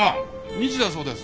２時だそうです。